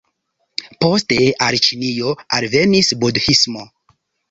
Poste al Ĉinio alvenis budhismo.